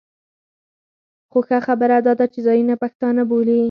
خو ښه خبره دا ده چې ځانونه پښتانه بولي.